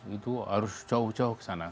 itu harus jauh jauh ke sana